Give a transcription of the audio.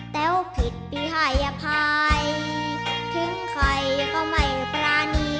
แต้วผิดพิหายภายทิ้งใครก็ไม่ปรานี